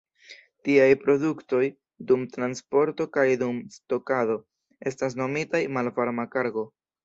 Tiaj produktoj, dum transporto kaj dum stokado, estas nomitaj "malvarma kargo".